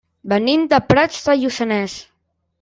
Venim de Prats de Lluçanès.